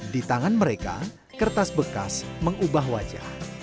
di tangan mereka kertas bekas mengubah wajah